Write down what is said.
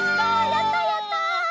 やったやった！